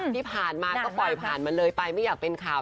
ที่ผ่านมาก็ปล่อยผ่านมันเลยไปไม่อยากเป็นข่าว